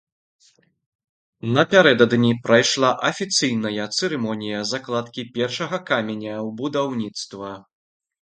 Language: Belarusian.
Напярэдадні прайшла афіцыйная цырымонія закладкі першага каменя ў будаўніцтва.